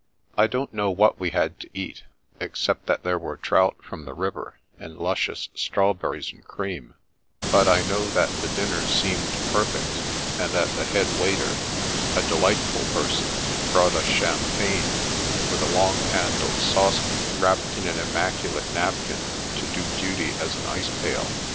I don't know what we had to eat, except that there were trout from the river, and luscious straw berries and cream; but I know that the dinner seemed perfect, and that the head waiter, a delightful person, brought us champagne, with a long handled saucepan wrapped in an immaculate napkin, to do duty as an ice pail.